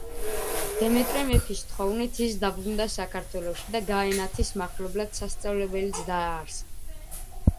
დემეტრე მეფის თხოვნით ის დაბრუნდა საქართველოში და გაენათის მახლობლად სასწავლებელიც დააარსა.